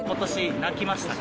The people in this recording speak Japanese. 泣きましたか？